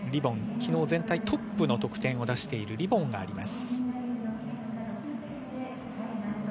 昨日全体トップの得点を出しているリボンがあります。